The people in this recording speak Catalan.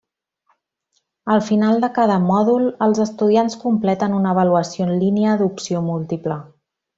Al final de cada mòdul, els estudiants completen una avaluació en línia d'opció múltiple.